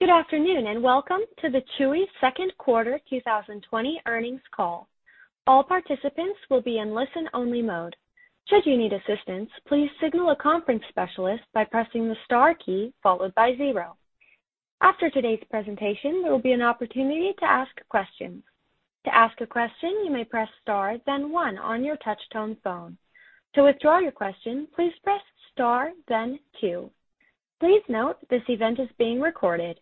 Good afternoon, welcome to the Chewy second quarter 2020 earnings call. All participants will be in listen only mode. After today's presentation, there will be an opportunity to ask questions. Please note this event is being recorded.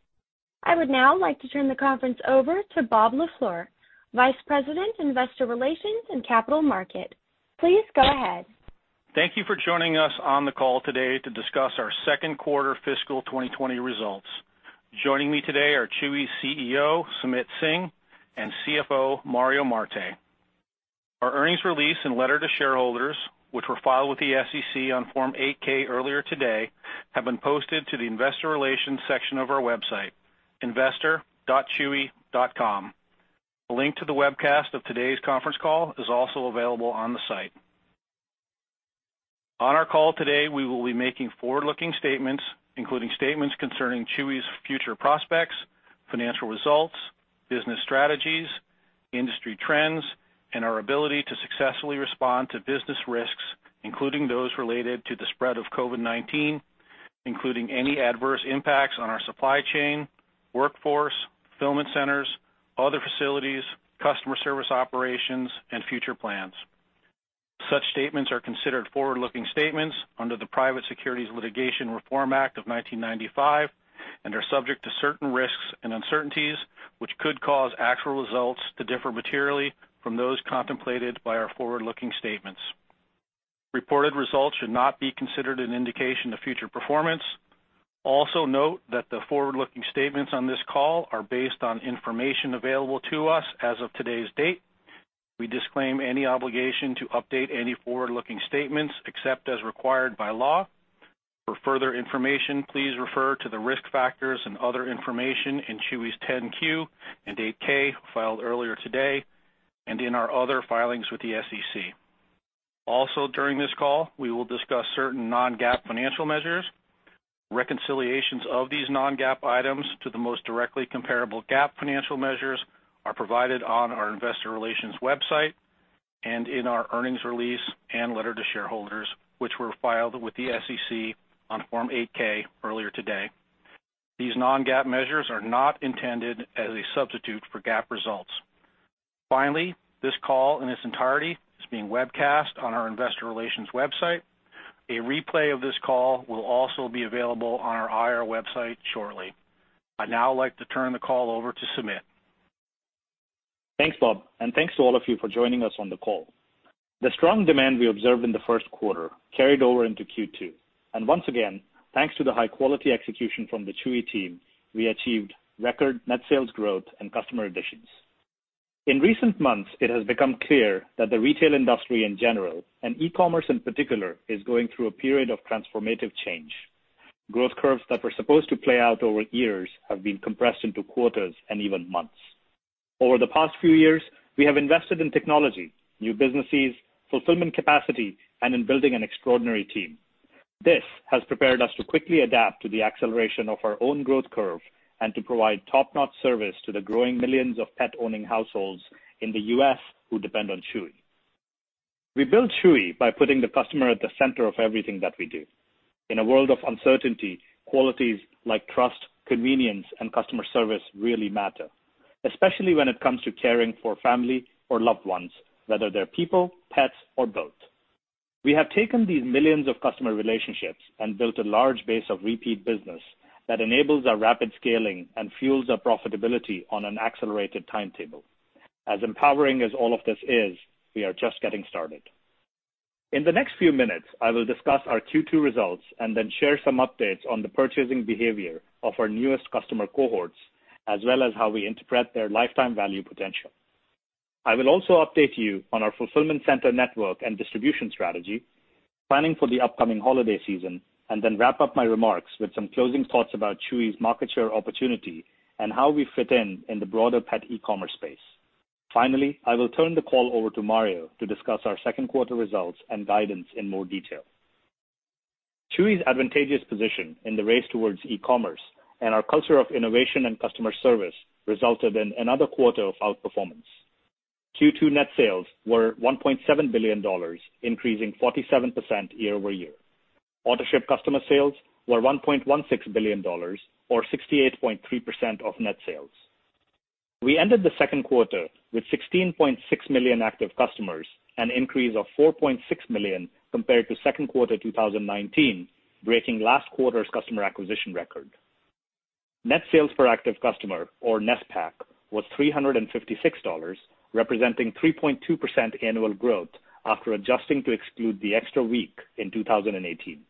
I would now like to turn the conference over to Bob LaFleur, Vice President, Investor Relations and Capital Market. Please go ahead. Thank you for joining us on the call today to discuss our second quarter fiscal 2020 results. Joining me today are Chewy's CEO, Sumit Singh, and CFO, Mario Marte. Our earnings release and letter to shareholders, which were filed with the SEC on Form 8-K earlier today, have been posted to the investor relations section of our website, investor.chewy.com. A link to the webcast of today's conference call is also available on the site. On our call today, we will be making forward-looking statements, including statements concerning Chewy's future prospects, financial results, business strategies, industry trends, and our ability to successfully respond to business risks, including those related to the spread of COVID-19, including any adverse impacts on our supply chain, workforce, fulfillment centers, other facilities, customer service operations, and future plans. Such statements are considered forward-looking statements under the Private Securities Litigation Reform Act of 1995 and are subject to certain risks and uncertainties, which could cause actual results to differ materially from those contemplated by our forward-looking statements. Reported results should not be considered an indication of future performance. Note that the forward-looking statements on this call are based on information available to us as of today's date. We disclaim any obligation to update any forward-looking statements except as required by law. For further information, please refer to the risk factors and other information in Chewy's 10-Q and 8-K filed earlier today and in our other filings with the SEC. During this call, we will discuss certain non-GAAP financial measures. Reconciliations of these non-GAAP items to the most directly comparable GAAP financial measures are provided on our investor relations website and in our earnings release and letter to shareholders, which were filed with the SEC on Form 8-K earlier today. These non-GAAP measures are not intended as a substitute for GAAP results. Finally, this call in its entirety is being webcast on our investor relations website. A replay of this call will also be available on our IR website shortly. I'd now like to turn the call over to Sumit. Thanks, Bob, thanks to all of you for joining us on the call. The strong demand we observed in the first quarter carried over into Q2. Once again, thanks to the high-quality execution from the Chewy team, we achieved record net sales growth and customer additions. In recent months, it has become clear that the retail industry in general, and e-commerce in particular, is going through a period of transformative change. Growth curves that were supposed to play out over years have been compressed into quarters and even months. Over the past few years, we have invested in technology, new businesses, fulfillment capacity, and in building an extraordinary team. This has prepared us to quickly adapt to the acceleration of our own growth curve and to provide top-notch service to the growing millions of pet-owning households in the U.S. who depend on Chewy. We built Chewy by putting the customer at the center of everything that we do. In a world of uncertainty, qualities like trust, convenience, and customer service really matter, especially when it comes to caring for family or loved ones, whether they're people, pets, or both. We have taken these millions of customer relationships and built a large base of repeat business that enables our rapid scaling and fuels our profitability on an accelerated timetable. As empowering as all of this is, we are just getting started. In the next few minutes, I will discuss our Q2 results and then share some updates on the purchasing behavior of our newest customer cohorts, as well as how we interpret their lifetime value potential. I will also update you on our fulfillment center network and distribution strategy, planning for the upcoming holiday season, and then wrap up my remarks with some closing thoughts about Chewy's market share opportunity and how we fit in in the broader pet e-commerce space. Finally, I will turn the call over to Mario to discuss our second quarter results and guidance in more detail. Chewy's advantageous position in the race towards e-commerce and our culture of innovation and customer service resulted in another quarter of outperformance. Q2 net sales were $1.7 billion, increasing 47% year-over-year. Autoship customer sales were $1.16 billion, or 68.3% of net sales. We ended the second quarter with 16.6 million active customers, an increase of 4.6 million compared to second quarter 2019, breaking last quarter's customer acquisition record. Net sales per active customer, or NSPAC, was $356, representing 3.2% annual growth after adjusting to exclude the extra week in 2018.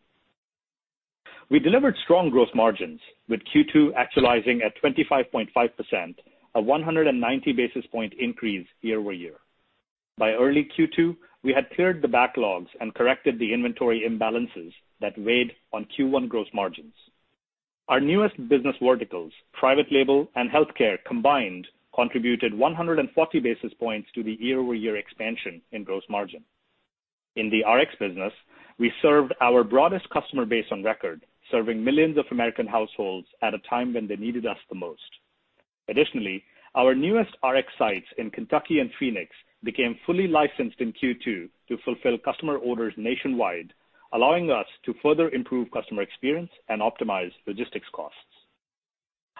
We delivered strong gross margins with Q2 actualizing at 25.5%, a 190-basis point increase year-over-year. By early Q2, we had cleared the backlogs and corrected the inventory imbalances that weighed on Q1 gross margins. Our newest business verticals, private label and healthcare combined, contributed 140 basis points to the year-over-year expansion in gross margin. In the RX business, we served our broadest customer base on record, serving millions of American households at a time when they needed us the most. Additionally, our newest RX sites in Kentucky and Phoenix became fully licensed in Q2 to fulfill customer orders nationwide, allowing us to further improve customer experience and optimize logistics costs.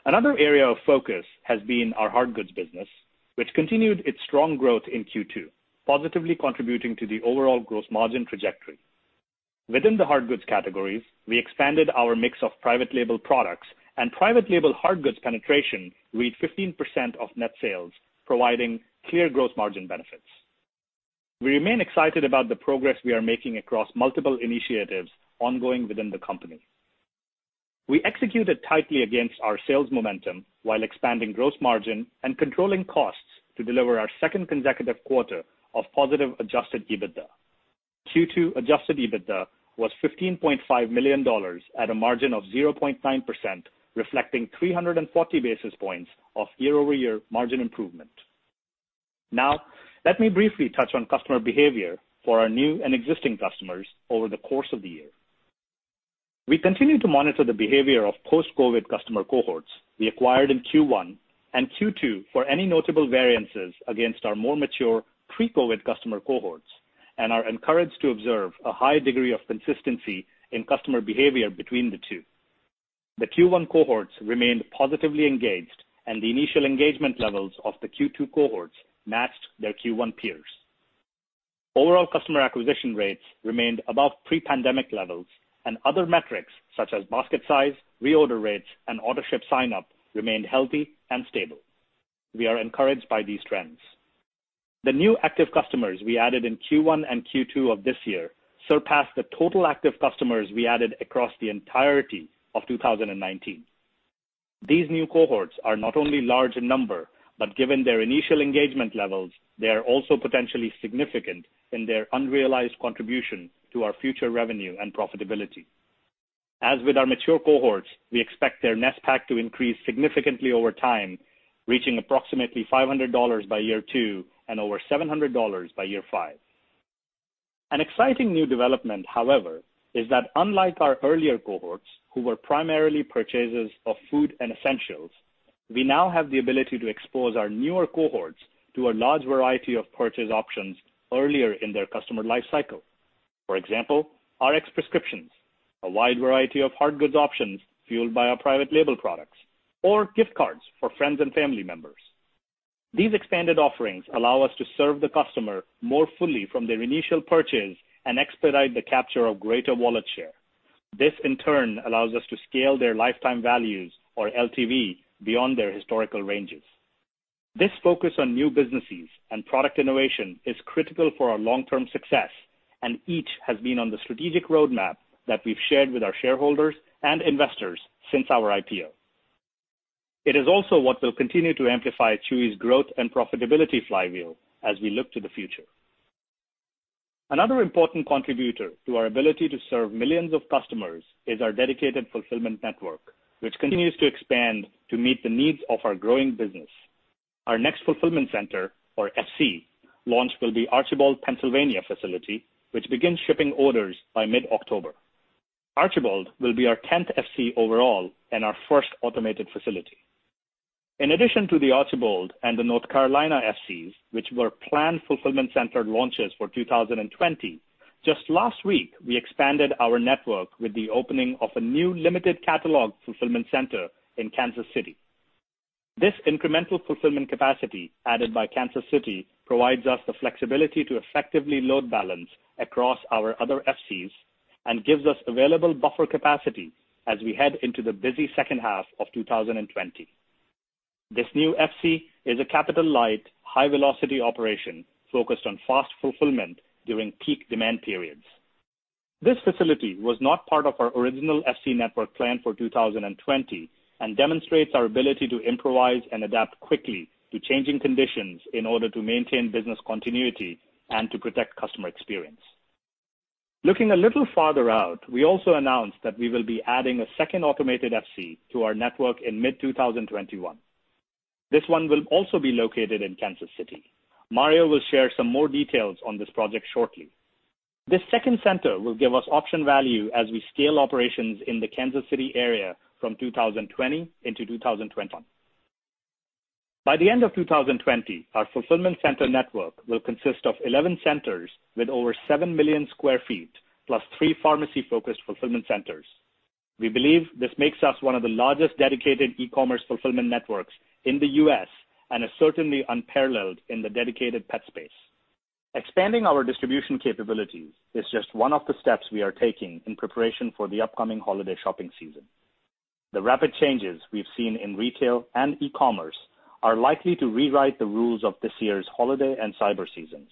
Another area of focus has been our hard goods business, which continued its strong growth in Q2, positively contributing to the overall gross margin trajectory. Within the hard goods categories, we expanded our mix of private label products and private label hard goods penetration reached 15% of net sales, providing clear gross margin benefits. We remain excited about the progress we are making across multiple initiatives ongoing within the company. We executed tightly against our sales momentum while expanding gross margin and controlling costs to deliver our second consecutive quarter of positive adjusted EBITDA. Q2 adjusted EBITDA was $15.5 million at a margin of 0.9%, reflecting 340 basis points of year-over-year margin improvement. Let me briefly touch on customer behavior for our new and existing customers over the course of the year. We continue to monitor the behavior of post-COVID customer cohorts we acquired in Q1 and Q2 for any notable variances against our more mature pre-COVID customer cohorts, and are encouraged to observe a high degree of consistency in customer behavior between the two. The Q1 cohorts remained positively engaged, and the initial engagement levels of the Q2 cohorts matched their Q1 peers. Overall customer acquisition rates remained above pre-pandemic levels, and other metrics such as basket size, reorder rates, and Autoship sign-up remained healthy and stable. We are encouraged by these trends. The new active customers we added in Q1 and Q2 of this year surpassed the total active customers we added across the entirety of 2019. These new cohorts are not only large in number, but given their initial engagement levels, they are also potentially significant in their unrealized contribution to our future revenue and profitability. As with our mature cohorts, we expect their NSPAC to increase significantly over time, reaching approximately $500 by year two and over $700 by year five. An exciting new development, however, is that unlike our earlier cohorts, who were primarily purchasers of food and essentials, we now have the ability to expose our newer cohorts to a large variety of purchase options earlier in their customer life cycle. For example, RX prescriptions, a wide variety of hard goods options fueled by our private label products, or gift cards for friends and family members. These expanded offerings allow us to serve the customer more fully from their initial purchase and expedite the capture of greater wallet share. This, in turn, allows us to scale their lifetime values or LTV beyond their historical ranges. This focus on new businesses and product innovation is critical for our long-term success, and each has been on the strategic roadmap that we've shared with our shareholders and investors since our IPO. It is also what will continue to amplify Chewy's growth and profitability flywheel as we look to the future. Another important contributor to our ability to serve millions of customers is our dedicated fulfillment network, which continues to expand to meet the needs of our growing business. Our next fulfillment center, or FC, launch will be Archbald, Pennsylvania facility, which begins shipping orders by mid-October. Archbald will be our 10th FC overall and our first automated facility. In addition to the Archbald and the North Carolina FCs, which were planned fulfillment center launches for 2020, just last week, we expanded our network with the opening of a new limited catalog fulfillment center in Kansas City. This incremental fulfillment capacity added by Kansas City provides us the flexibility to effectively load balance across our other FCs and gives us available buffer capacity as we head into the busy second half of 2020. This new FC is a capital-light, high-velocity operation focused on fast fulfillment during peak demand periods. This facility was not part of our original FC network plan for 2020 and demonstrates our ability to improvise and adapt quickly to changing conditions in order to maintain business continuity and to protect customer experience. Looking a little farther out, we also announced that we will be adding a second automated FC to our network in mid-2021. This one will also be located in Kansas City. Mario will share some more details on this project shortly. This second center will give us option value as we scale operations in the Kansas City area from 2020 into 2021. By the end of 2020, our fulfillment center network will consist of 11 centers with over 7 million sq ft, plus three pharmacy-focused fulfillment centers. We believe this makes us one of the largest dedicated e-commerce fulfillment networks in the U.S., and is certainly unparalleled in the dedicated pet space. Expanding our distribution capabilities is just one of the steps we are taking in preparation for the upcoming holiday shopping season. The rapid changes we've seen in retail and E-commerce are likely to rewrite the rules of this year's holiday and cyber seasons.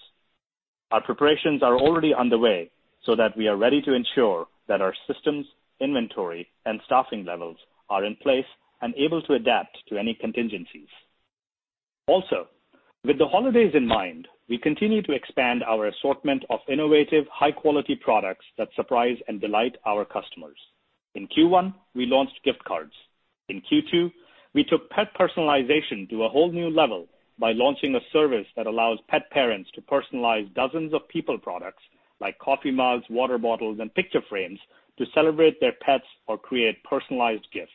Our preparations are already underway so that we are ready to ensure that our systems, inventory, and staffing levels are in place and able to adapt to any contingencies. Also, with the holidays in mind, we continue to expand our assortment of innovative, high-quality products that surprise and delight our customers. In Q1, we launched gift cards. In Q2, we took pet personalization to a whole new level by launching a service that allows pet parents to personalize dozens of pet products like coffee mugs, water bottles, and picture frames to celebrate their pets or create personalized gifts.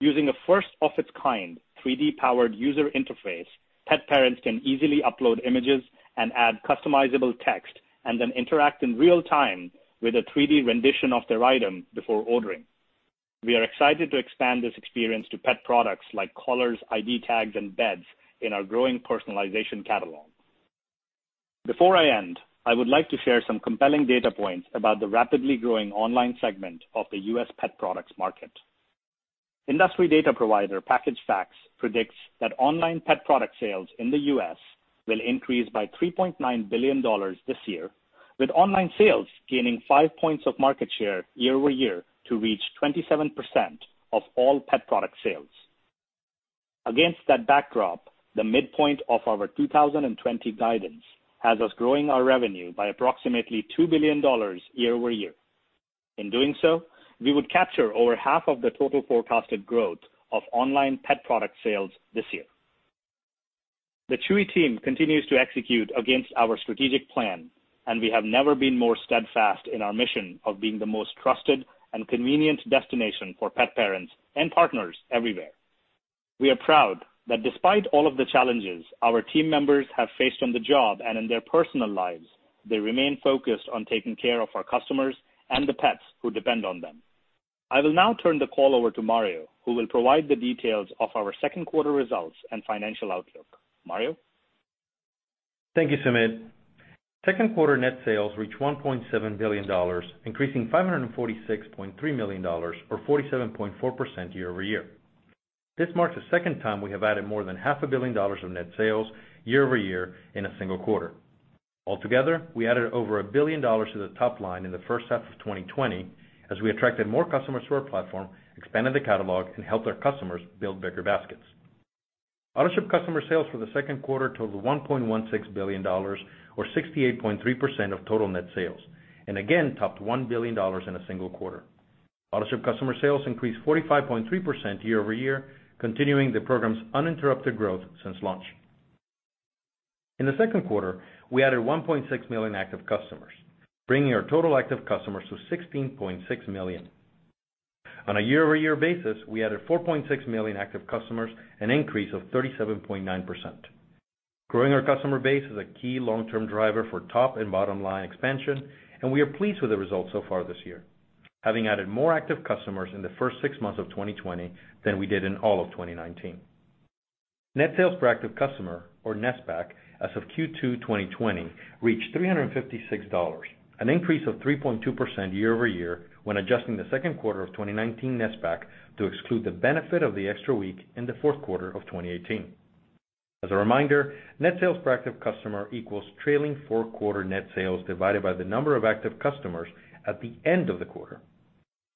Using a first-of-its-kind 3D-powered user interface, pet parents can easily upload images and add customizable text, and then interact in real time with a 3D rendition of their item before ordering. We are excited to expand this experience to pet products like collars, ID tags, and beds in our growing personalization catalog. Before I end, I would like to share some compelling data points about the rapidly growing online segment of the U.S. pet products market. Industry data provider Packaged Facts predicts that online pet product sales in the U.S. will increase by $3.9 billion this year, with online sales gaining five points of market share year-over-year to reach 27% of all pet product sales. Against that backdrop, the midpoint of our 2020 guidance has us growing our revenue by approximately $2 billion year-over-year. In doing so, we would capture over half of the total forecasted growth of online pet product sales this year. The Chewy team continues to execute against our strategic plan, and we have never been more steadfast in our mission of being the most trusted and convenient destination for pet parents and partners everywhere. We are proud that despite all of the challenges our team members have faced on the job and in their personal lives, they remain focused on taking care of our customers and the pets who depend on them. I will now turn the call over to Mario, who will provide the details of our second quarter results and financial outlook. Mario? Thank you, Sumit. Second quarter net sales reached $1.7 billion, increasing $546.3 million or 47.4% year-over-year. This marks the second time we have added more than half a billion dollars of net sales year-over-year in a single quarter. Altogether, we added over a billion dollars to the top line in the first half of 2020 as we attracted more customers to our platform, expanded the catalog, and helped our customers build bigger baskets. Autoship customer sales for the second quarter totaled $1.16 billion, or 68.3% of total net sales, and again topped $1 billion in a single quarter. Autoship customer sales increased 45.3% year-over-year, continuing the program's uninterrupted growth since launch. In the second quarter, we added 1.6 million active customers, bringing our total active customers to 16.6 million. On a year-over-year basis, we added 4.6 million active customers, an increase of 37.9%. Growing our customer base is a key long-term driver for top and bottom-line expansion, and we are pleased with the results so far this year, having added more active customers in the first six months of 2020 than we did in all of 2019. Net sales per active customer, or NSPAC, as of Q2 2020 reached $356, an increase of 3.2% year-over-year when adjusting the second quarter of 2019 NSPAC to exclude the benefit of the extra week in the fourth quarter of 2018. As a reminder, net sales per active customer equals trailing four quarter net sales divided by the number of active customers at the end of the quarter.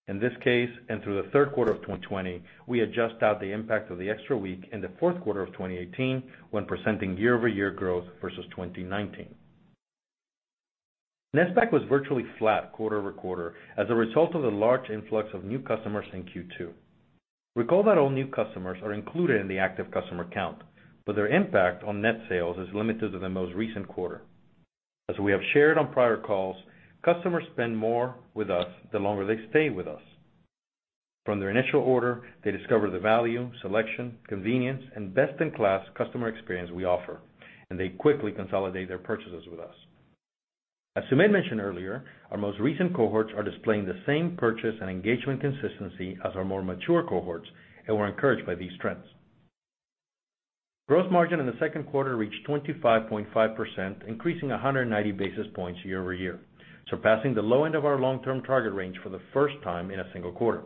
In this case, and through the third quarter of 2020, we adjust out the impact of the extra week in the fourth quarter of 2018 when presenting year-over-year growth versus 2019. NSPAC was virtually flat quarter-over-quarter as a result of the large influx of new customers in Q2. Recall that all new customers are included in the active customer count, but their impact on net sales is limited to the most recent quarter. As we have shared on prior calls, customers spend more with us the longer they stay with us. From their initial order, they discover the value, selection, convenience, and best-in-class customer experience we offer, and they quickly consolidate their purchases with us. As Sumit mentioned earlier, our most recent cohorts are displaying the same purchase and engagement consistency as our more mature cohorts, and we're encouraged by these trends. Gross margin in the second quarter reached 25.5%, increasing 190 basis points year-over-year, surpassing the low end of our long-term target range for the first time in a single quarter.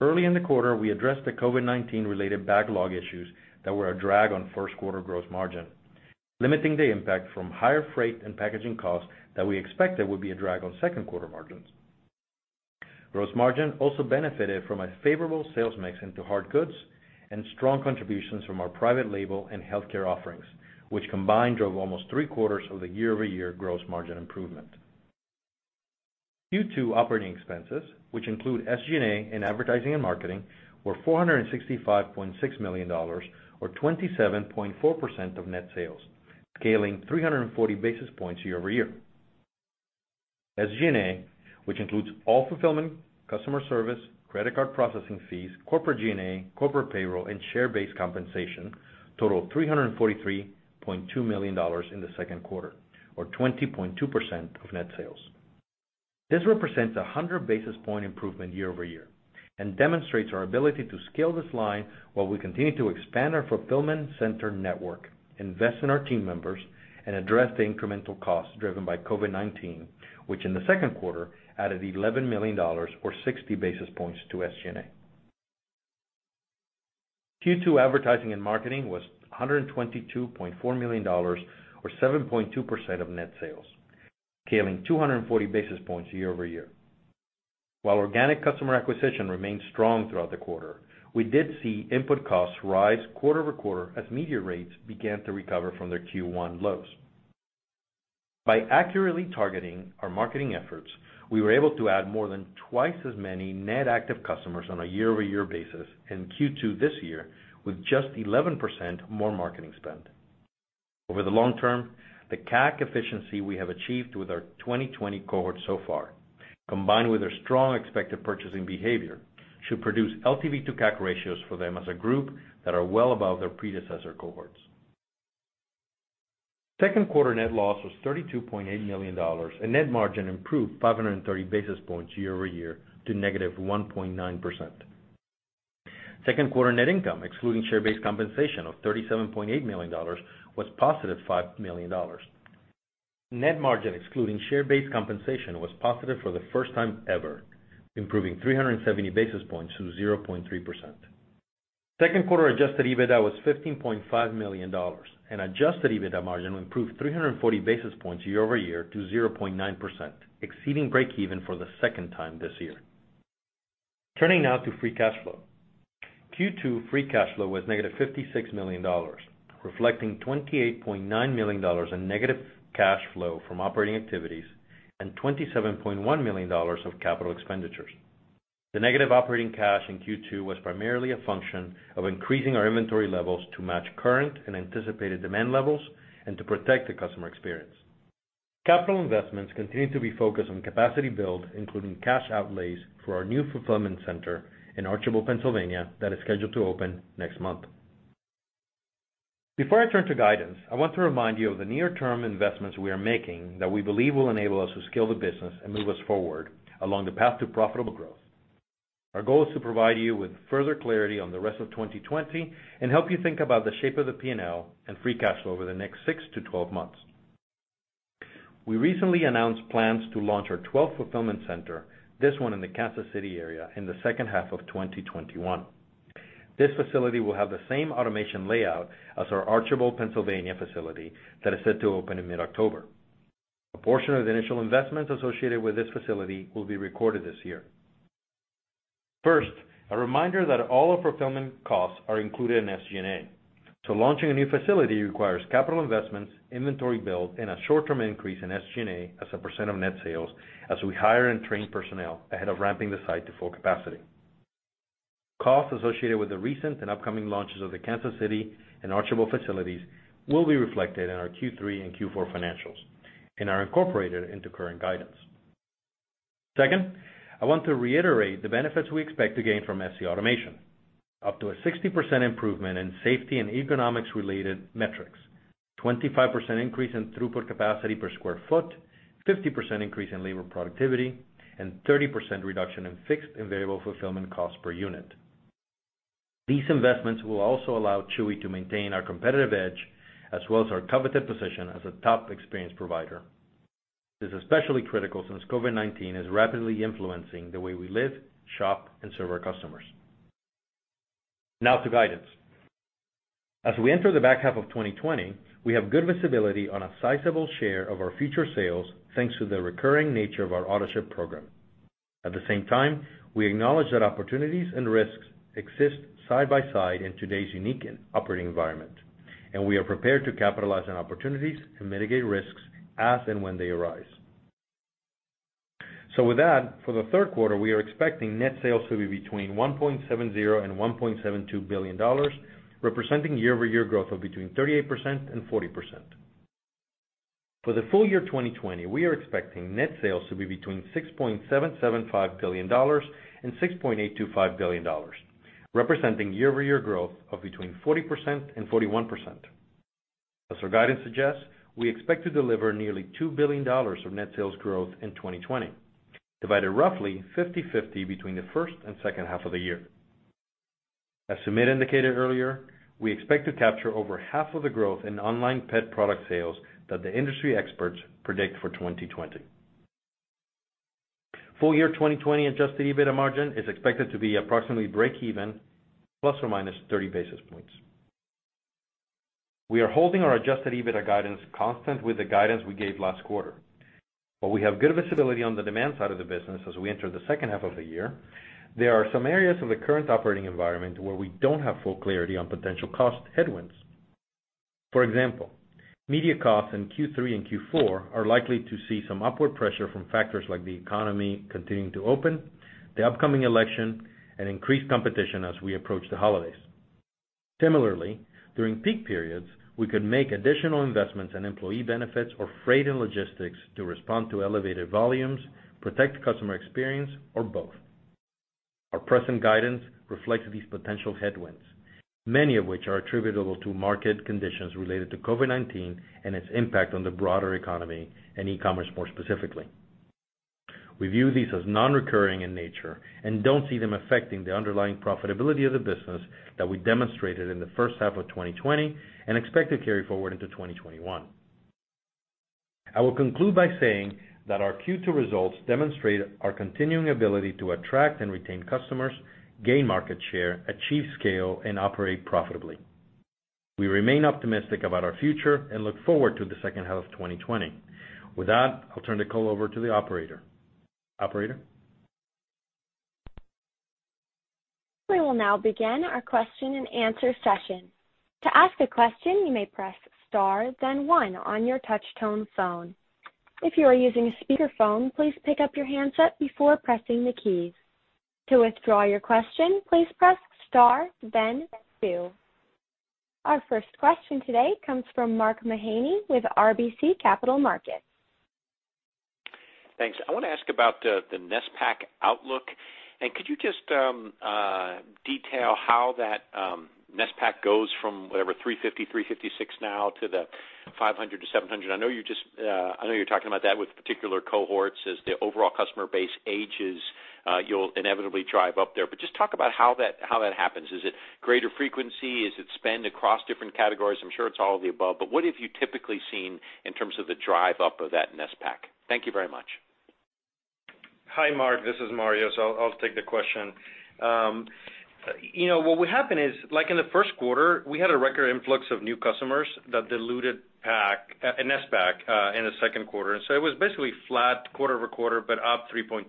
Early in the quarter, we addressed the COVID-19 related backlog issues that were a drag on first quarter gross margin, limiting the impact from higher freight and packaging costs that we expected would be a drag on second quarter margins. Gross margin also benefited from a favorable sales mix into hard goods and strong contributions from our private label and healthcare offerings, which combined drove almost three-quarters of the year-over-year gross margin improvement. Q2 operating expenses, which include SG&A and advertising and marketing, were $465.6 million, or 27.4% of net sales, scaling 340 basis points year-over-year. SG&A, which includes all fulfillment, customer service, credit card processing fees, corporate G&A, corporate payroll, and share-based compensation, totaled $343.2 million in the second quarter, or 20.2% of net sales. This represents 100 basis point improvement year-over-year and demonstrates our ability to scale this line while we continue to expand our fulfillment center network, invest in our team members, and address the incremental costs driven by COVID-19, which in the second quarter added $11 million, or 60 basis points to SG&A. Q2 advertising and marketing was $122.4 million, or 7.2% of net sales, scaling 240 basis points year-over-year. While organic customer acquisition remained strong throughout the quarter, we did see input costs rise quarter-over-quarter as media rates began to recover from their Q1 lows. By accurately targeting our marketing efforts, we were able to add more than twice as many net active customers on a year-over-year basis in Q2 this year with just 11% more marketing spend. Over the long term, the CAC efficiency we have achieved with our 2020 cohort so far, combined with their strong expected purchasing behavior, should produce LTV to CAC ratios for them as a group that are well above their predecessor cohorts. Second quarter net loss was $32.8 million, and net margin improved 530 basis points year-over-year to negative 1.9%. Second quarter net income, excluding share-based compensation of $37.8 million, was positive $5 million. Net margin, excluding share-based compensation, was positive for the first time ever, improving 370 basis points to 0.3%. Second quarter adjusted EBITDA was $15.5 million and adjusted EBITDA margin improved 340 basis points year-over-year to 0.9%, exceeding break even for the second time this year. Turning now to free cash flow. Q2 free cash flow was negative $56 million, reflecting $28.9 million in negative cash flow from operating activities and $27.1 million of capital expenditures. The negative operating cash in Q2 was primarily a function of increasing our inventory levels to match current and anticipated demand levels and to protect the customer experience. Capital investments continue to be focused on capacity build, including cash outlays for our new fulfillment center in Archbald, Pennsylvania, that is scheduled to open next month. Before I turn to guidance, I want to remind you of the near-term investments we are making that we believe will enable us to scale the business and move us forward along the path to profitable growth. Our goal is to provide you with further clarity on the rest of 2020 and help you think about the shape of the P&L and free cash flow over the next 6 to 12 months. We recently announced plans to launch our 12th fulfillment center, this one in the Kansas City area, in the second half of 2021. This facility will have the same automation layout as our Archbald, Pennsylvania facility that is set to open in mid-October. A portion of the initial investments associated with this facility will be recorded this year. First, a reminder that all our fulfillment costs are included in SG&A. Launching a new facility requires capital investments, inventory build, and a short-term increase in SG&A as a percent of net sales as we hire and train personnel ahead of ramping the site to full capacity. Costs associated with the recent and upcoming launches of the Kansas City and Archbald facilities will be reflected in our Q3 and Q4 financials and are incorporated into current guidance. Second, I want to reiterate the benefits we expect to gain from FC automation. Up to a 60% improvement in safety and economics related metrics, 25% increase in throughput capacity per square foot, 50% increase in labor productivity, and 30% reduction in fixed and variable fulfillment costs per unit. These investments will also allow Chewy to maintain our competitive edge as well as our coveted position as a top experience provider. This is especially critical since COVID-19 is rapidly influencing the way we live, shop, and serve our customers. Now to guidance. As we enter the back half of 2020, we have good visibility on a sizable share of our future sales, thanks to the recurring nature of our Autoship program. At the same time, we acknowledge that opportunities and risks exist side by side in today's unique operating environment, and we are prepared to capitalize on opportunities and mitigate risks as and when they arise. With that, for the third quarter, we are expecting net sales to be between $1.70 and $1.72 billion, representing year-over-year growth of between 38% and 40%. For the full year 2020, we are expecting net sales to be between $6.775 billion and $6.825 billion, representing year-over-year growth of between 40% and 41%. As our guidance suggests, we expect to deliver nearly $2 billion of net sales growth in 2020, divided roughly 50/50 between the first and second half of the year. As Sumit indicated earlier, we expect to capture over half of the growth in online pet product sales that the industry experts predict for 2020. Full year 2020 adjusted EBITDA margin is expected to be approximately break even, ±30 basis points. We are holding our adjusted EBITDA guidance constant with the guidance we gave last quarter. While we have good visibility on the demand side of the business as we enter the second half of the year, there are some areas of the current operating environment where we don't have full clarity on potential cost headwinds. For example, media costs in Q3 and Q4 are likely to see some upward pressure from factors like the economy continuing to open, the upcoming election, and increased competition as we approach the holidays. Similarly, during peak periods, we could make additional investments in employee benefits or freight and logistics to respond to elevated volumes, protect customer experience, or both. Our present guidance reflects these potential headwinds, many of which are attributable to market conditions related to COVID-19 and its impact on the broader economy and e-commerce more specifically. We view these as non-recurring in nature and don't see them affecting the underlying profitability of the business that we demonstrated in the first half of 2020 and expect to carry forward into 2021. I will conclude by saying that our Q2 results demonstrate our continuing ability to attract and retain customers, gain market share, achieve scale, and operate profitably. We remain optimistic about our future and look forward to the second half of 2020. With that, I'll turn the call over to the operator. Operator? Our first question today comes from Mark Mahaney with RBC Capital Markets. Thanks. I want to ask about the NSPAC outlook. Could you just detail how that NSPAC goes from whatever, $350, $356 now to the $500-$700? I know you're talking about that with particular cohorts as the overall customer base ages you'll inevitably drive up there, just talk about how that happens. Is it greater frequency? Is it spend across different categories? I'm sure it's all of the above, what have you typically seen in terms of the drive up of that NSPAC? Thank you very much. Hi, Mark. This is Mario. I'll take the question. What would happen is, like in the first quarter, we had a record influx of new customers that diluted NSPAC in the second quarter. It was basically flat quarter-over-quarter, but up 3.2%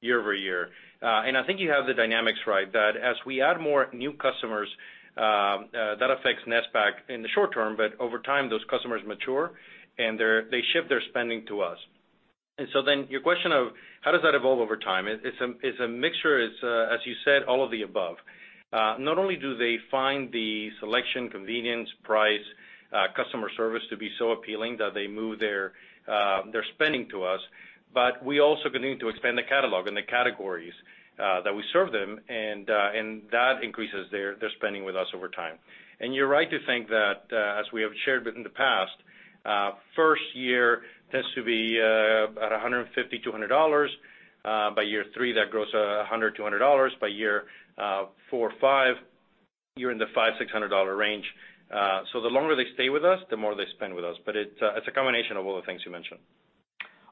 year-over-year. I think you have the dynamics right, that as we add more new customers, that affects NSPAC in the short term, but over time, those customers mature and they shift their spending to us. Your question of how does that evolve over time? It's a mixture, as you said, all of the above. Not only do they find the selection, convenience, price, customer service to be so appealing that they move their spending to us, but we also continue to expand the catalog and the categories that we serve them and that increases their spending with us over time. You're right to think that, as we have shared with in the past, first year tends to be about $150, $200. By year 3, that grows $100, $200. By year 4 or 5, you're in the $500, $600 range. The longer they stay with us, the more they spend with us. It's a combination of all the things you mentioned.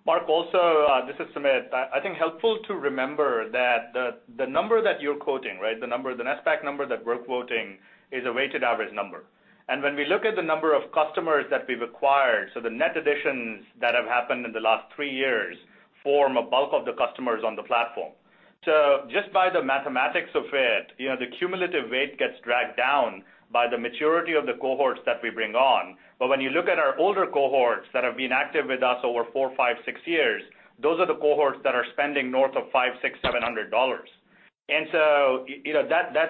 Mark, this is Sumit. I think helpful to remember that the number that you're quoting, the NSPAC number that we're quoting is a weighted average number. When we look at the number of customers that we've acquired, the net additions that have happened in the last three years form a bulk of the customers on the platform. Just by the mathematics of it, the cumulative weight gets dragged down by the maturity of the cohorts that we bring on. When you look at our older cohorts that have been active with us over four, five, six years, those are the cohorts that are spending north of $500, $600, $700.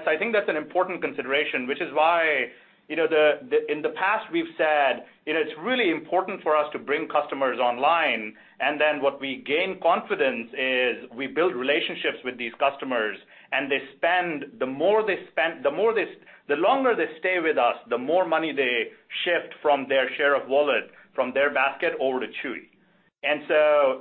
I think that's an important consideration, which is why, in the past we've said, it's really important for us to bring customers online, and then what we gain confidence is we build relationships with these customers, and the longer they stay with us, the more money they shift from their share of wallet, from their basket over to Chewy.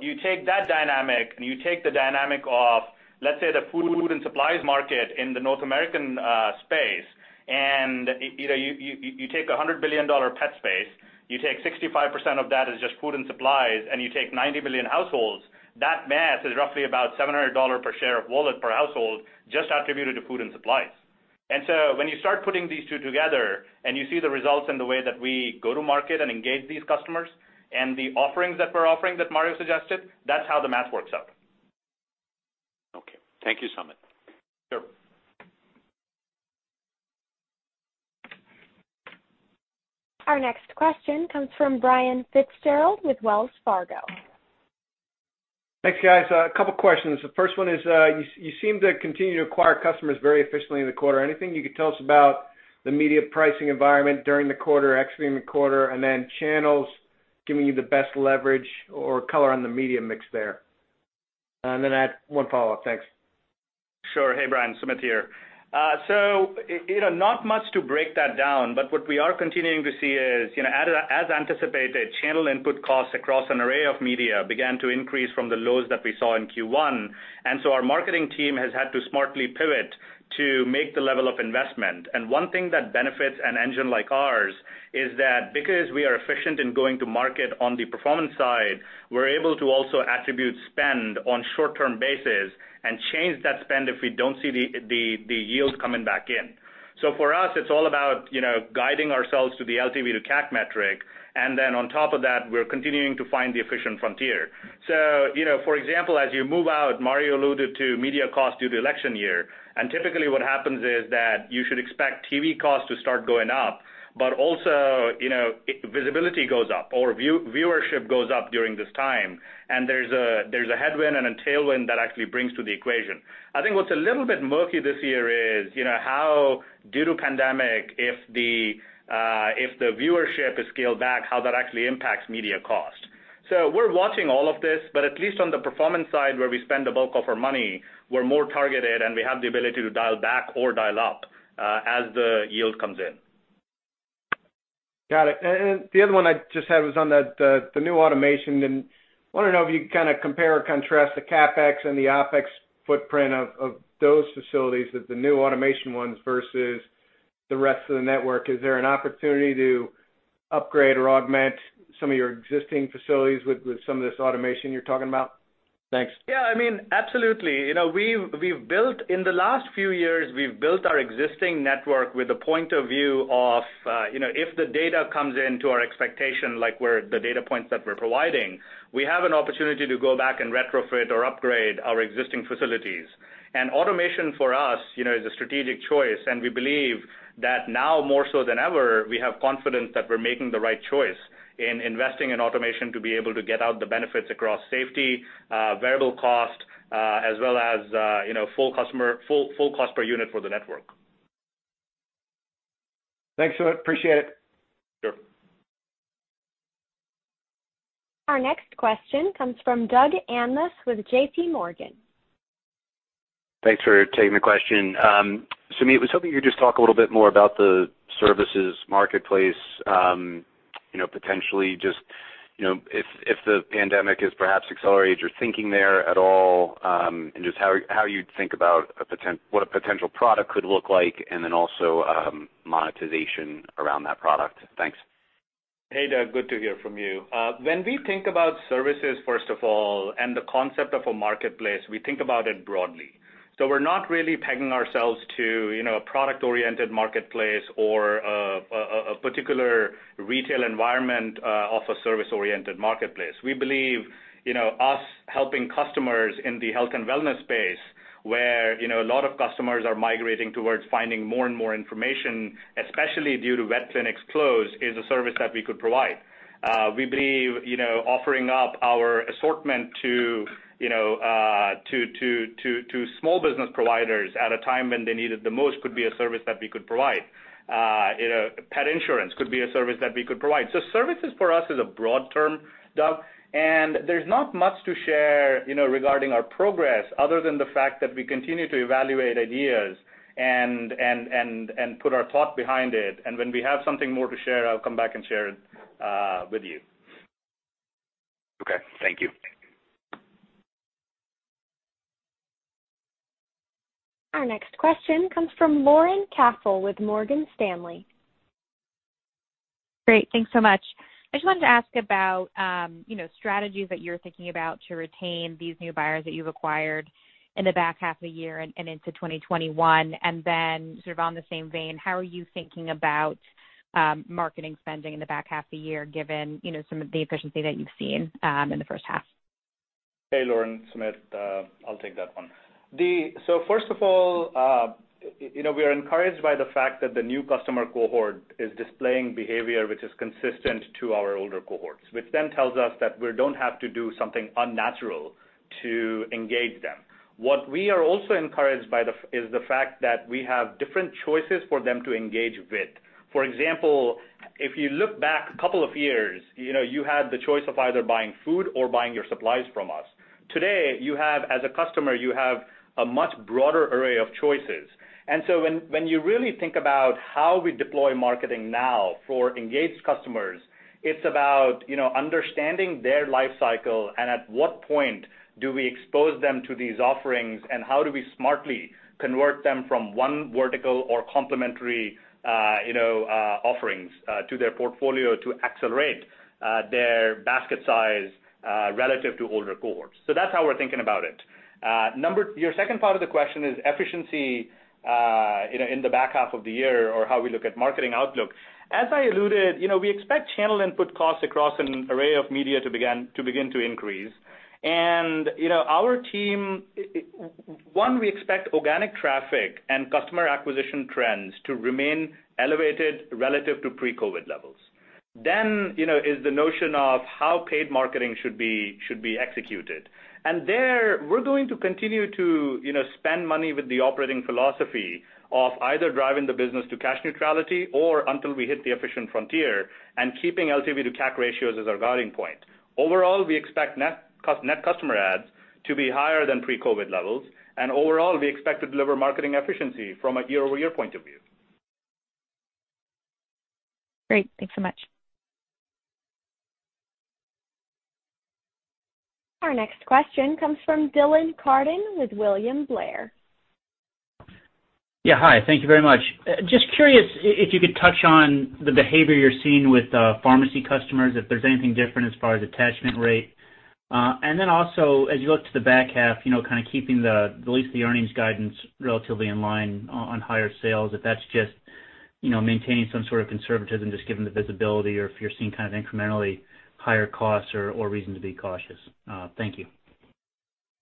You take that dynamic and you take the dynamic of, let's say, the food and supplies market in the North American space, you take $100 billion pet space, you take 65% of that is just food and supplies, and you take 90 million households, that math is roughly about $700 per share of wallet per household just attributed to food and supplies. When you start putting these two together and you see the results in the way that we go to market and engage these customers and the offerings that we're offering that Mario suggested, that's how the math works out. Okay. Thank you, Sumit. Sure. Our next question comes from Brian FitzGerald with Wells Fargo. Thanks, guys. A couple questions. The first one is, you seem to continue to acquire customers very efficiently in the quarter. Anything you could tell us about the media pricing environment during the quarter, exiting the quarter, and then channels giving you the best leverage or color on the media mix there? I have one follow-up. Thanks. Sure. Hey, Brian. Sumit here. Not much to break that down, but what we are continuing to see is, as anticipated, channel input costs across an array of media began to increase from the lows that we saw in Q1, our marketing team has had to smartly pivot to make the level of investment. One thing that benefits an engine like ours is that because we are efficient in going to market on the performance side, we're able to also attribute spend on short-term basis and change that spend if we don't see the yield coming back in. For us, it's all about guiding ourselves to the LTV to CAC metric, on top of that, we're continuing to find the efficient frontier. For example, as you move out, Mario alluded to media cost due to election year. Typically what happens is that you should expect TV costs to start going up, but also, visibility goes up or viewership goes up during this time. There's a headwind and a tailwind that actually brings to the equation. I think what's a little bit murky this year is, how due to pandemic, if the viewership is scaled back, how that actually impacts media cost. We're watching all of this, but at least on the performance side where we spend the bulk of our money, we're more targeted, and we have the ability to dial back or dial up as the yield comes in. Got it. The other one I just had was on the new automation. Wanted to know if you kind of compare or contrast the CapEx and the OpEx footprint of those facilities with the new automation ones versus the rest of the network. Is there an opportunity to upgrade or augment some of your existing facilities with some of this automation you're talking about? Thanks. Yeah, absolutely. In the last few years, we've built our existing network with a point of view of, if the data comes into our expectation, like the data points that we're providing, we have an opportunity to go back and retrofit or upgrade our existing facilities. Automation for us is a strategic choice, and we believe that now more so than ever, we have confidence that we're making the right choice in investing in automation to be able to get out the benefits across safety, variable cost, as well as full cost per unit for the network. Thanks, Sumit. Appreciate it. Sure. Our next question comes from Doug Anmuth with JPMorgan. Thanks for taking the question. Sumit, I was hoping you could just talk a little bit more about the services marketplace, potentially just if the pandemic has perhaps accelerated your thinking there at all, and just how you think about what a potential product could look like, and then also monetization around that product. Thanks. Hey, Doug. Good to hear from you. When we think about services, first of all, and the concept of a marketplace, we think about it broadly. We're not really pegging ourselves to a product-oriented marketplace or a particular retail environment of a service-oriented marketplace. We believe us helping customers in the health and wellness space, where a lot of customers are migrating towards finding more and more information, especially due to vet clinics closed, is a service that we could provide. We believe offering up our assortment to small business providers at a time when they need it the most could be a service that we could provide. Pet insurance could be a service that we could provide. Services for us is a broad term, Doug, and there's not much to share regarding our progress other than the fact that we continue to evaluate ideas and put our thought behind it. When we have something more to share, I'll come back and share it with you. Okay. Thank you. Our next question comes from Lauren Cassel with Morgan Stanley. Great. Thanks so much. I just wanted to ask about strategies that you're thinking about to retain these new buyers that you've acquired in the back half of the year and into 2021. Sort of on the same vein, how are you thinking about marketing spending in the back half of the year, given some of the efficiency that you've seen in the first half? Hey, Lauren. Sumit. I'll take that one. First of all, we are encouraged by the fact that the new customer cohort is displaying behavior which is consistent to our older cohorts, which then tells us that we don't have to do something unnatural to engage them. What we are also encouraged by is the fact that we have different choices for them to engage with. For example, if you look back a couple of years, you had the choice of either buying food or buying your supplies from us. Today, as a customer, you have a much broader array of choices. When you really think about how we deploy marketing now for engaged customers, it's about understanding their life cycle and at what point do we expose them to these offerings, and how do we smartly convert them from one vertical or complementary offerings to their portfolio to accelerate their basket size relative to older cohorts. That's how we're thinking about it. Your second part of the question is efficiency in the back half of the year or how we look at marketing outlook. As I alluded, we expect channel input costs across an array of media to begin to increase. Our team, one, we expect organic traffic and customer acquisition trends to remain elevated relative to pre-COVID levels. Is the notion of how paid marketing should be executed. There, we're going to continue to spend money with the operating philosophy of either driving the business to cash neutrality or until we hit the efficient frontier and keeping LTV to CAC ratios as our guiding point. Overall, we expect net customer adds to be higher than pre-COVID levels. Overall, we expect to deliver marketing efficiency from a year-over-year point of view. Great. Thanks so much. Our next question comes from Dylan Carden with William Blair. Yeah. Hi, thank you very much. Just curious if you could touch on the behavior you're seeing with pharmacy customers, if there's anything different as far as attachment rate. Also, as you look to the back half, kind of keeping at least the earnings guidance relatively in line on higher sales, if that's just maintaining some sort of conservatism just given the visibility or if you're seeing kind of incrementally higher costs or reason to be cautious. Thank you.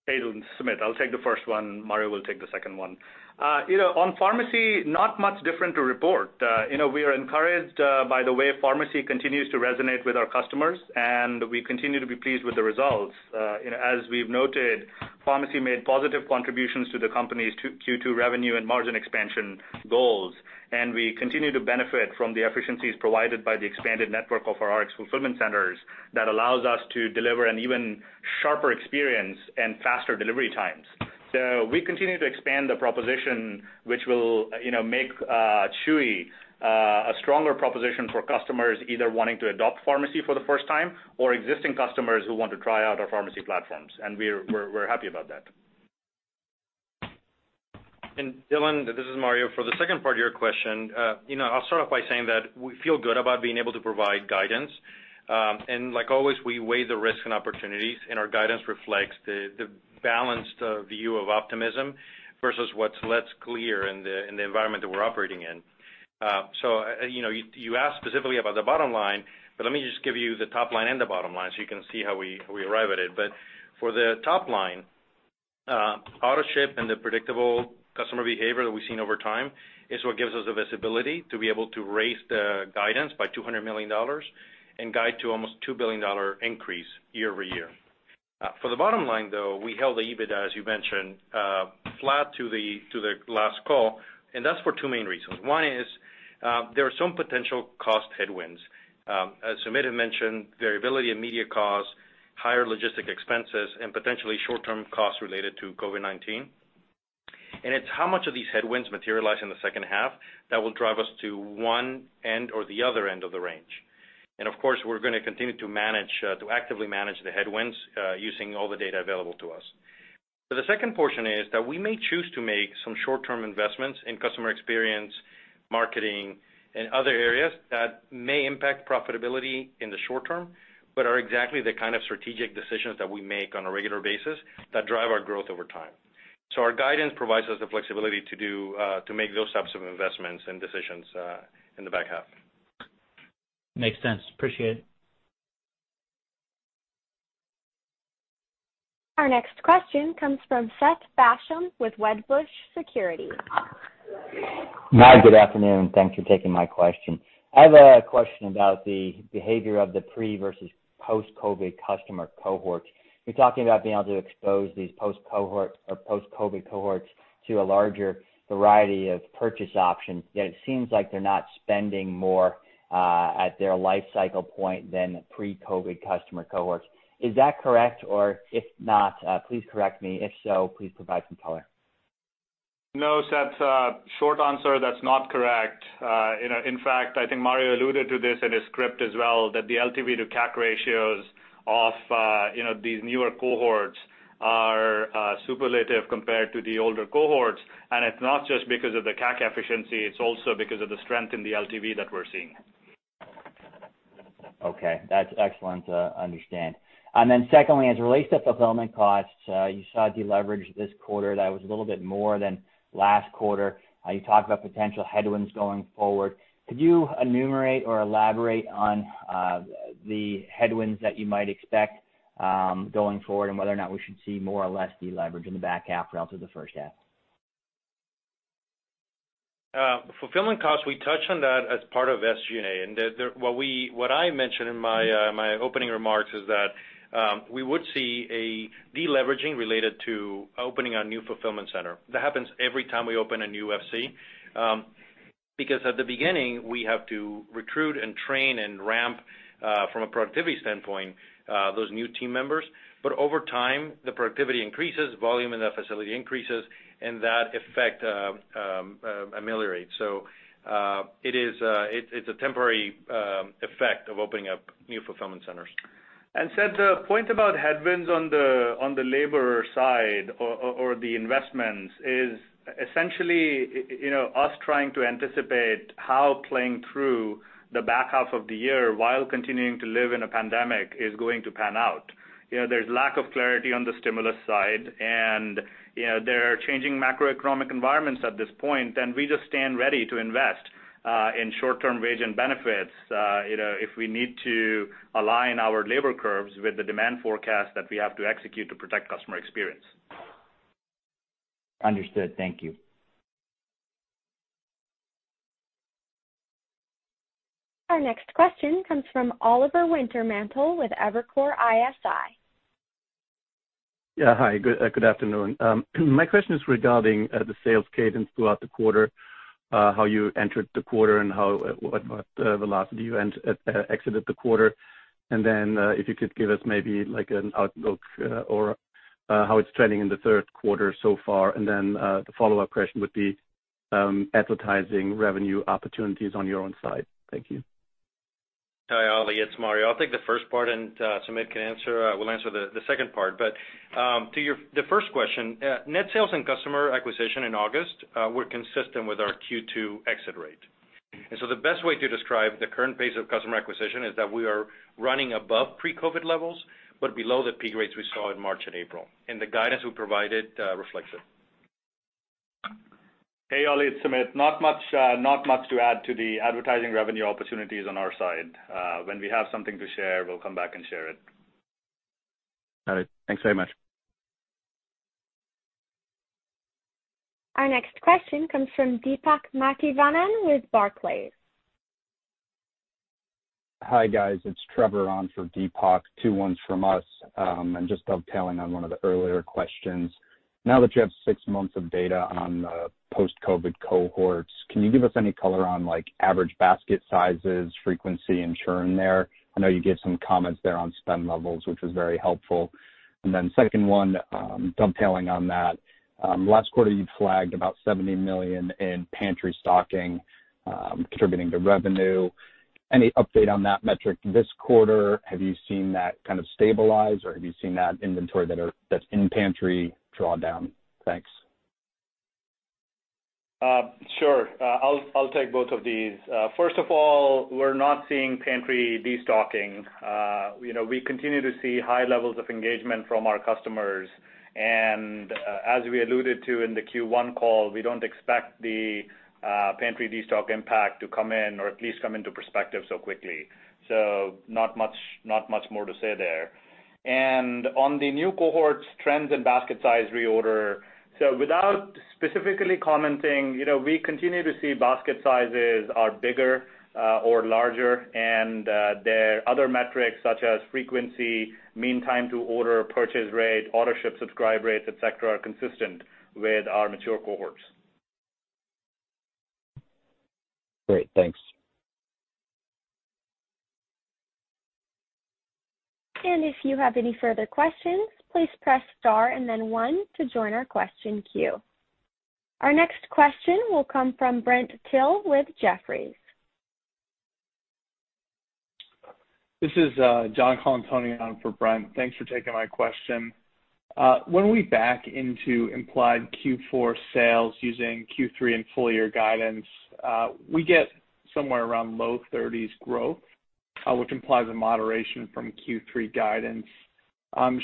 Hey, Dylan. Sumit. I'll take the first one. Mario will take the second one. On pharmacy, not much different to report. We are encouraged by the way pharmacy continues to resonate with our customers, and we continue to be pleased with the results. As we've noted, pharmacy made positive contributions to the company's Q2 revenue and margin expansion goals, and we continue to benefit from the efficiencies provided by the expanded network of our RX fulfillment centers that allows us to deliver an even sharper experience and faster delivery times. We continue to expand the proposition, which will make Chewy a stronger proposition for customers either wanting to adopt pharmacy for the first time or existing customers who want to try out our pharmacy platforms. We're happy about that. Dylan, this is Mario. For the second part of your question, I'll start off by saying that we feel good about being able to provide guidance. Like always, we weigh the risk and opportunities, and our guidance reflects the balanced view of optimism versus what's less clear in the environment that we're operating in. You asked specifically about the bottom line, but let me just give you the top line and the bottom line so you can see how we arrive at it. For the top line, Autoship and the predictable customer behavior that we've seen over time is what gives us the visibility to be able to raise the guidance by $200 million and guide to almost $2 billion increase year-over-year. For the bottom line, though, we held the EBITDA, as you mentioned, flat to the last call. That's for two main reasons. One is, there are some potential cost headwinds. As Sumit had mentioned, variability in media costs, higher logistic expenses, and potentially short-term costs related to COVID-19. It's how much of these headwinds materialize in the second half that will drive us to one end or the other end of the range. Of course, we're going to continue to actively manage the headwinds using all the data available to us. The second portion is that we may choose to make some short-term investments in customer experience, marketing, and other areas that may impact profitability in the short term, but are exactly the kind of strategic decisions that we make on a regular basis that drive our growth over time. Our guidance provides us the flexibility to make those types of investments and decisions in the back half. Makes sense. Appreciate it. Our next question comes from Seth Basham with Wedbush Securities. Hi, good afternoon. Thanks for taking my question. I have a question about the behavior of the pre versus post-COVID customer cohorts. You're talking about being able to expose these post cohorts or post-COVID cohorts to a larger variety of purchase options, yet it seems like they're not spending more at their life cycle point than pre-COVID customer cohorts. Is that correct? Or if not, please correct me. If so, please provide some color. No, Seth, short answer, that's not correct. In fact, I think Mario alluded to this in his script as well, that the LTV to CAC ratios of these newer cohorts are superlative compared to the older cohorts. It's not just because of the CAC efficiency, it's also because of the strength in the LTV that we're seeing. Okay. That's excellent to understand. Secondly, as it relates to fulfillment costs, you saw deleverage this quarter that was a little bit more than last quarter. You talked about potential headwinds going forward. Could you enumerate or elaborate on the headwinds that you might expect going forward, and whether or not we should see more or less deleverage in the back half relative to the first half? Fulfillment costs, we touched on that as part of SG&A. What I mentioned in my opening remarks is that we would see a deleveraging related to opening our new fulfillment center. That happens every time we open a new FC. Because at the beginning, we have to recruit and train and ramp, from a productivity standpoint, those new team members. Over time, the productivity increases, volume in that facility increases, and that effect ameliorates. It's a temporary effect of opening up new fulfillment centers. Seth, the point about headwinds on the labor side or the investments is essentially us trying to anticipate how playing through the back half of the year while continuing to live in a pandemic is going to pan out. There's lack of clarity on the stimulus side, there are changing macroeconomic environments at this point, we just stand ready to invest in short-term wage and benefits if we need to align our labor curves with the demand forecast that we have to execute to protect customer experience. Understood. Thank you. Our next question comes from Oliver Wintermantel with Evercore ISI. Yeah. Hi. Good afternoon. My question is regarding the sales cadence throughout the quarter, how you entered the quarter and what velocity you exited the quarter. If you could give us maybe an outlook or how it's trending in the third quarter so far. The follow-up question would be advertising revenue opportunities on your own site. Thank you. Hi, Oli. It's Mario. I'll take the first part, and Sumit will answer the second part. To the first question, net sales and customer acquisition in August were consistent with our Q2 exit rate. The best way to describe the current pace of customer acquisition is that we are running above pre-COVID levels, but below the peak rates we saw in March and April, and the guidance we provided reflects it. Hey, Oli. It's Sumit. Not much to add to the advertising revenue opportunities on our side. When we have something to share, we'll come back and share it. Got it. Thanks very much. Our next question comes from Deepak Mathivanan with Barclays. Hi, guys. It's Trevor on for Deepak. Two ones from us. Just dovetailing on one of the earlier questions. Now that you have six months of data on the post-COVID cohorts, can you give us any color on average basket sizes, frequency, and churn there? I know you gave some comments there on spend levels, which was very helpful. Second one, dovetailing on that, last quarter you flagged about $70 million in pantry stocking contributing to revenue. Any update on that metric this quarter? Have you seen that kind of stabilize, or have you seen that inventory that's in pantry draw down? Thanks. Sure. I'll take both of these. First of all, we're not seeing pantry de-stocking. We continue to see high levels of engagement from our customers. As we alluded to in the Q1 call, we don't expect the pantry de-stock impact to come in, or at least come into perspective so quickly. Not much more to say there. On the new cohorts trends and basket size reorder. Without specifically commenting, we continue to see basket sizes are bigger or larger, and their other metrics such as frequency, mean time to order, purchase rate, Autoship subscribe rates, et cetera, are consistent with our mature cohorts. Great. Thanks. If you have any further questions, please press star and then one to join our question queue. Our next question will come from Brent Thill with Jefferies. This is John Colantuoni for Brent Thill. Thanks for taking my question. When we back into implied Q4 sales using Q3 and full year guidance, we get somewhere around low 30s growth, which implies a moderation from Q3 guidance.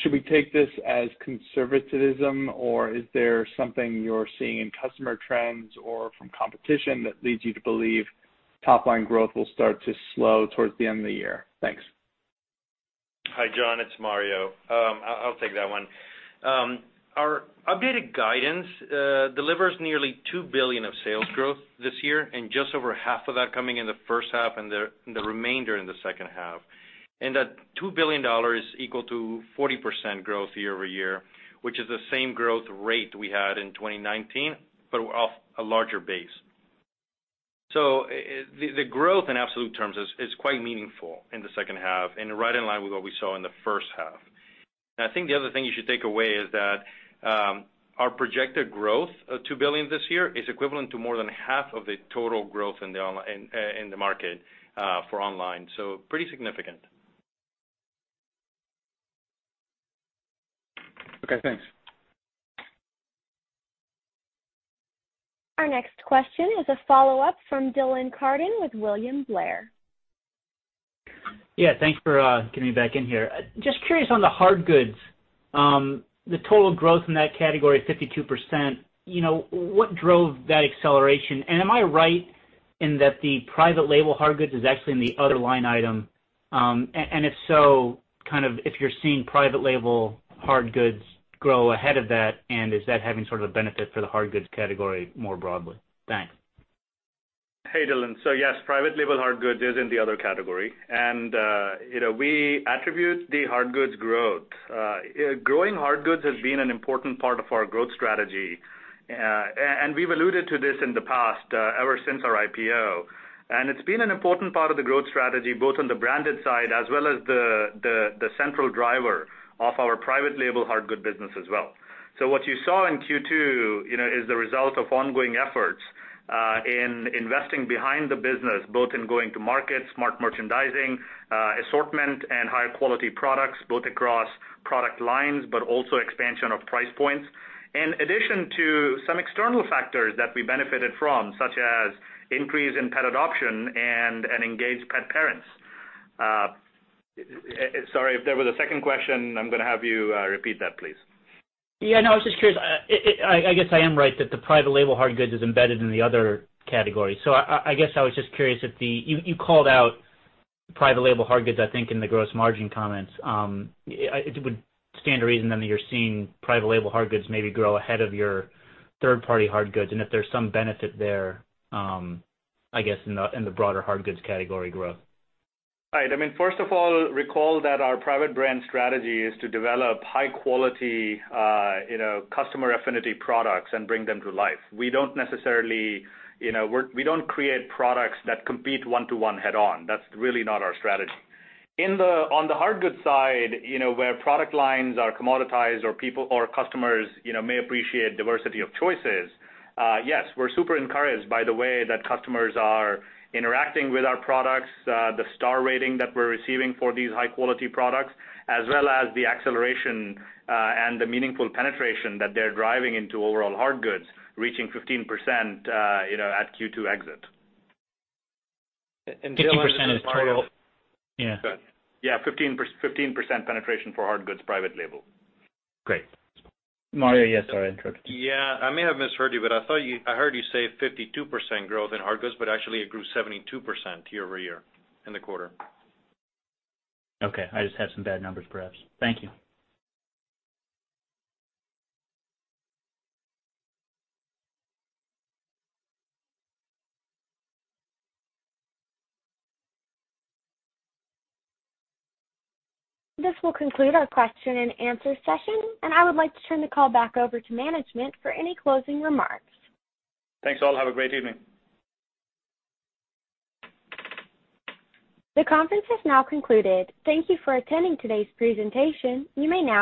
Should we take this as conservatism, or is there something you're seeing in customer trends or from competition that leads you to believe top line growth will start to slow towards the end of the year? Thanks. Hi, John, it's Mario. I'll take that one. Our updated guidance delivers nearly $2 billion of sales growth this year. Just over half of that coming in the first half, the remainder in the second half. That $2 billion is equal to 40% growth year-over-year, which is the same growth rate we had in 2019, off a larger base. The growth in absolute terms is quite meaningful in the second half and right in line with what we saw in the first half. I think the other thing you should take away is that our projected growth of $2 billion this year is equivalent to more than half of the total growth in the market for online. Pretty significant. Okay, thanks. Our next question is a follow-up from Dylan Carden with William Blair. Yeah. Thanks for getting me back in here. Just curious on the hard goods. The total growth in that category is 52%. What drove that acceleration? Am I right in that the private label hard goods is actually in the other line item? If so, if you're seeing private label hard goods grow ahead of that, is that having sort of a benefit for the hard goods category more broadly? Thanks. Hey, Dylan. Yes, private label hard goods is in the other category. We attribute the hard goods growth. Growing hard goods has been an important part of our growth strategy, and we've alluded to this in the past, ever since our IPO. It's been an important part of the growth strategy, both on the branded side as well as the central driver of our private label hard good business as well. What you saw in Q2 is the result of ongoing efforts in investing behind the business, both in going to market, smart merchandising, assortment, and high-quality products, both across product lines, but also expansion of price points. In addition to some external factors that we benefited from, such as increase in pet adoption and engaged pet parents. Sorry if there was a second question, I'm going to have you repeat that, please. Yeah, no, I was just curious. I guess I am right that the private label hard goods is embedded in the other category. I guess I was just curious. You called out private label hard goods, I think, in the gross margin comments. It would stand to reason then that you're seeing private label hard goods maybe grow ahead of your third-party hard goods, and if there's some benefit there, I guess, in the broader hard goods category growth. Right. First of all, recall that our high-quality private brand strategy is to develop high-quality customer affinity products and bring them to life. We don't create products that compete one-to-one head on. That's really not our strategy. On the hard goods side, where product lines are commoditized or customers may appreciate diversity of choices, yes, we're super encouraged by the way that customers are interacting with our products, the star rating that we're receiving for these high-quality products, as well as the acceleration and the meaningful penetration that they're driving into overall hard goods, reaching 15% at Q2 exit. 15% of total? Yeah, 15% penetration for hard goods private label. Great. Mario. Yeah, sorry, I interrupted you. Yeah. I may have misheard you, but I heard you say 52% growth in hard goods, but actually it grew 72% year-over-year in the quarter. Okay. I just have some bad numbers, perhaps. Thank you. This will conclude our question-and-answer session, and I would like to turn the call back over to management for any closing remarks. Thanks all, have a great evening. The conference has now concluded. Thank you for attending today's presentation. You may now disconnect.